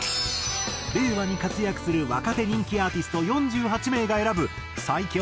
令和に活躍する若手人気アーティスト４８名が選ぶ最強